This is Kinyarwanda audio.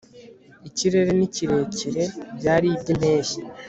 Ikirere nikirere byari ibyimpeshyi